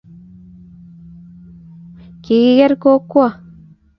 Kikiker Kokwo